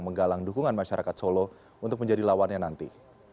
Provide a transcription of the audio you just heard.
menggalang dukungan masyarakat solo untuk menjadi lawannya nanti